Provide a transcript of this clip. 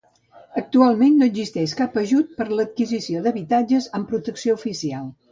Actualment no existeix cap ajut per a l'adquisició d'habitatges amb protecció oficial.